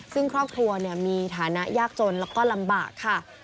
ซึ่งครอบครัวมีฐานะยากจนแล้วก็ลำบากค่ะ